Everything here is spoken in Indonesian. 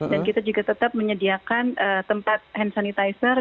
dan kita juga tetap menyediakan tempat hand sanitizer